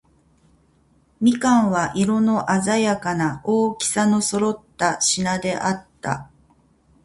蜜柑は、色のあざやかな、大きさの揃った品であった。